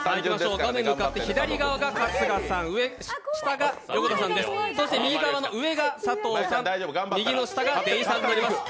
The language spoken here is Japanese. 画面向かって左側が春日さん、下が横田さん、右が佐藤さん、右の下が出井さんとなります。